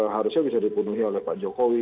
harusnya bisa dipenuhi oleh pak jokowi